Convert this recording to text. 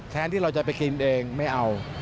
ที่เราจะไปกินเองไม่เอา